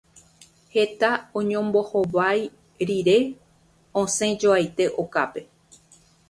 Heta oñombohovái rire, osẽjoaite okápe.